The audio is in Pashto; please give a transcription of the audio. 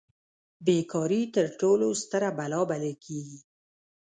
بې کاري تر ټولو ستره بلا بلل کیږي.